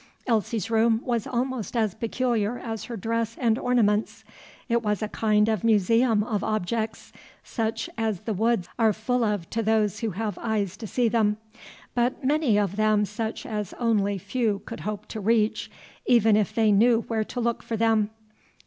Elsie's room was almost as peculiar as her dress and ornaments. It was a kind of museum of objects, such as the woods are full of to those who have eyes to see them, but many of them such as only few could hope to reach, even if they knew where to look for them.